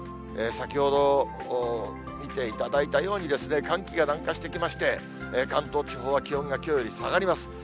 先ほど見ていただいたように、寒気が南下してきまして、関東地方は気温がきょうより下がります。